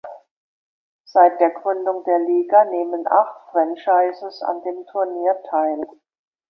Seit der Gründung der Liga nehmen acht Franchises an dem Turnier teil.